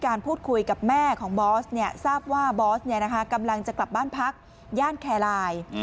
กำลังจะกลับบ้านพักย่านแคลราย